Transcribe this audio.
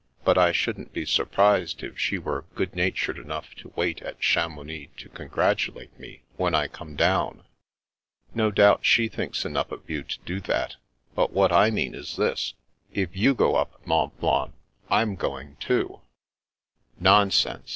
But I shouldn't be surprised if she were good natured enough to wait at Chapiounix to congratulate me when I come down." " No doubt she thinks enough of you to do that. But what I mean is this : if you go up Mont Blanc, Fm going too." " Nonsense